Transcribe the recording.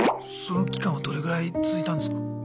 その期間はどれぐらい続いたんですか？